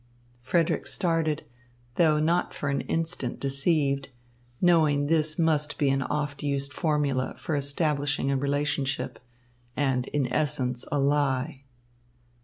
Frederick started, though not for an instant deceived, knowing this must be an oft used formula for establishing a relationship, and in essence a lie.